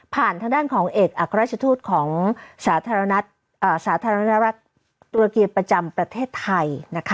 ทางด้านของเอกอัครราชทูตของสาธารณรัฐตุรเกียประจำประเทศไทย